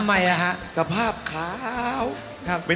มาเยือนทินกระวีและสวัสดี